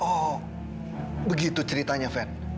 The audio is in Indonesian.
oh begitu ceritanya van